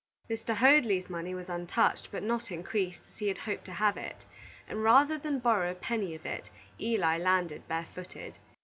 Mr. Hoadley's money was untouched, but not increased, as he hoped to have it; and rather than borrow a penny of it, Eli landed barefooted.